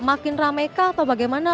makin ramekah atau bagaimana